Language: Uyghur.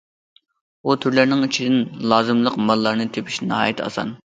بۇ تۈرلەرنىڭ ئىچىدىن لازىملىق ماللارنى تېپىش ناھايىتى ئاسان.